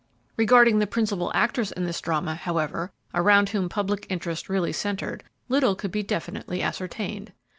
Regarding the principal actors in this drama, however, around whom public interest really centred, little could be definitely ascertained.